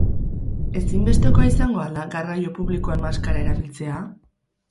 Ezinbestekoa izango al da garraio publikoan maskarak erabiltzea?